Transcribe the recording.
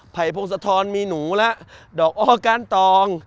ไผ่พงสะทอนมีหนูละดอกอ้อกานตอง